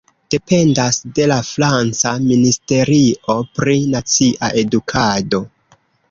Dependas de la franca Ministerio pri Nacia Edukado.